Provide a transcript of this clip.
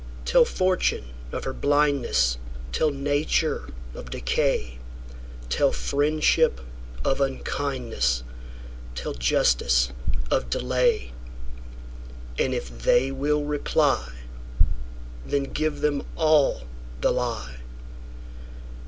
Tell fortune of her blindness; Tell nature of decay; Tell friendship of unkindness; Tell justice of delay; And if they will reply, Then give them all the lie.